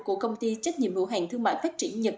của công ty trách nhiệm hữu hàng thương mại phát triển nhật